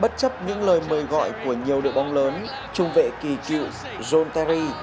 bất chấp những lời mời gọi của nhiều đội bóng lớn chung vệ kỳ cựu john terry